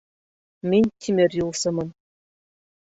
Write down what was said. Мин тимер юлсымын